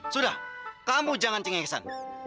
sudah kamu jangan cengeng ceng